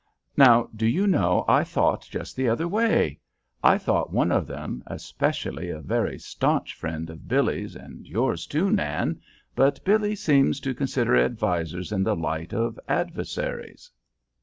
"Now, do you know, I thought just the other way? I thought one of them, especially, a very stanch friend of Billy's and yours, too, Nan, but Billy seems to consider advisers in the light of adversaries."